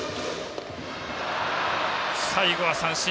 最後は三振。